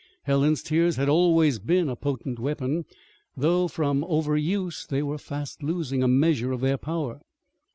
Helen's tears had always been a potent weapon though, from over use, they were fast losing a measure of their power.